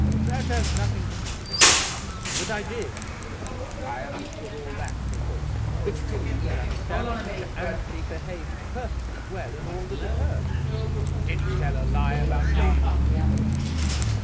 "That has nothing to do with it; but I did." "I understood all that before." "But you didn't understand that Mr. Annesley behaved perfectly well in all that occurred." "Did he tell a lie about it afterward?"